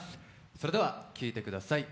それでは聴いてください。